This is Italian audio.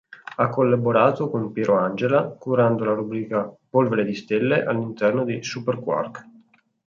Ha collaborato con Piero Angela, curando la rubrica "Polvere di Stelle" all'interno di "Superquark".